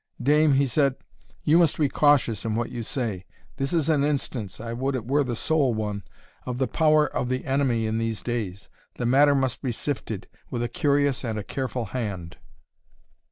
"Dame," he said, "you must be cautious in what you say. This is an instance I would it were the sole one of the power of the Enemy in these days. The matter must be sifted with a curious and a careful hand."